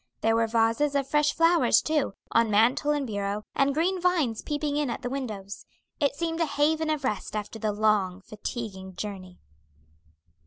There were vases of fresh flowers too, on mantel and bureau, and green vines peeping in at the windows. It seemed a haven of rest after the long, fatiguing journey.